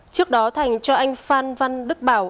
trước đó thành cho anh phan văn đức bảo